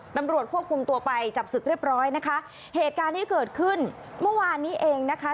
ตำรวจควบคุมตัวไปจับศึกเรียบร้อยนะคะเหตุการณ์ที่เกิดขึ้นเมื่อวานนี้เองนะคะ